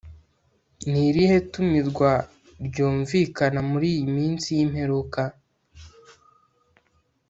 Ni irihe tumirwa ryumvikana muri iyi minsi y imperuka